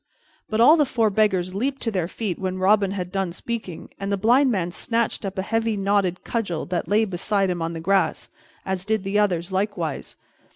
But all the four beggars leaped to their feet when Robin had done speaking, and the Blind man snatched up a heavy knotted cudgel that lay beside him on the grass, as did the others likewise.